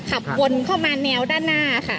ขับวนเข้ามาแนวด้านหน้าค่ะ